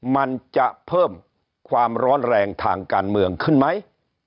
มันจะเพิ่มความร้อนแรงทางการเมืองขึ้นไหม